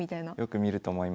よく見ると思います。